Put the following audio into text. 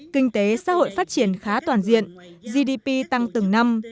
kinh tế xã hội phát triển khá toàn diện gdp tăng từng năm